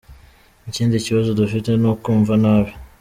Ikindi kibazo dufite ni ukumva nabi.